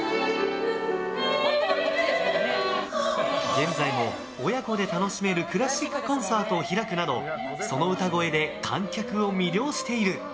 現在も親子で楽しめるクラシックコンサートを開くなどその歌声で観客を魅了している。